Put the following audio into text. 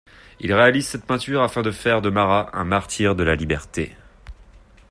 Il réalise cette peinture afin de faire de Marat un martyr de la liberté.